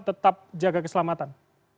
tetap jaga keselamatan